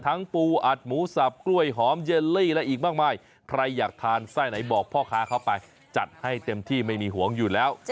ปูอัดหมูสับกล้วยหอมเยลลี่และอีกมากมายใครอยากทานไส้ไหนบอกพ่อค้าเข้าไปจัดให้เต็มที่ไม่มีห่วงอยู่แล้ว